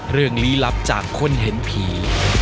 เรื่องลี้ลับจากคนเห็นผี